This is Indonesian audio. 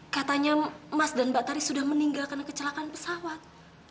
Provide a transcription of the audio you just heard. katanya mas dan mbak tari sudah meninggal karena kecelakaan pesawat